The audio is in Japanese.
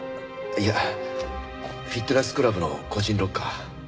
いやフィットネスクラブの個人ロッカー。